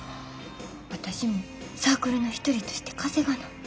私もサークルの一人として稼がな。